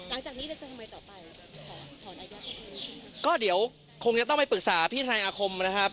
หลังจากนี้เราจะทำไมต่อไปก็เดี๋ยวคงจะต้องไปปรึกษาพี่ทนายอาคมนะครับ